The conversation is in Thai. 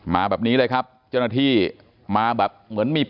มาแบบนี้เลยครับเจ้าหน้าที่มาแบบเหมือนมี